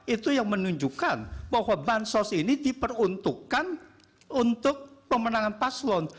itu yang menunjukkan bahwa bansos ini diperuntukkan untuk pemenangan paslon